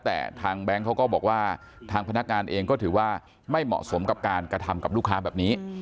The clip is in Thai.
แต่ทางแบงค์เขาก็บอกว่าทางพนักงานเองก็ถือว่าไม่เหมาะสมกับการกระทำกับลูกค้าแบบนี้